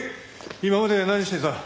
今まで何してた？